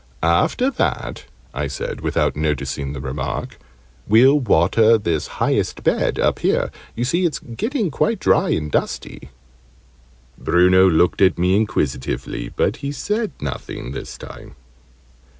"After that," I said, without noticing the remark, "we'll water this highest bed up here. You see it's getting quite dry and dusty." Bruno looked at me inquisitively, but he said nothing this time.